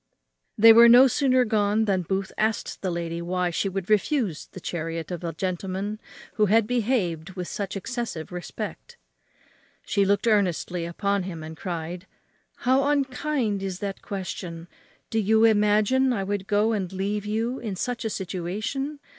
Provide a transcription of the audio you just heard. They were no sooner gone than Booth asked the lady why she would refuse the chariot of a gentleman who had behaved with such excessive respect? She looked earnestly upon him, and cried, "How unkind is that question! do you imagine I would go and leave you in such a situation?